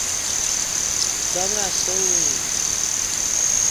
Dob-ro asse we i?